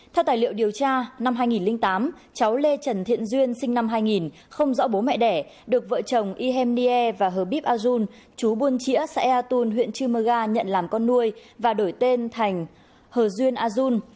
theo tài liệu điều tra năm hai nghìn tám cháu lê trần thiện duyên sinh năm hai nghìn không rõ bố mẹ đẻ được vợ chồng ihem nie và hờ bíp a dung chú buôn chĩa xã ea tùn huyện chư mơ ga nhận làm con nuôi và đổi tên thành hờ duyên a dung